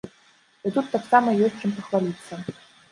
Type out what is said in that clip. І тут таксама ёсць чым пахваліцца.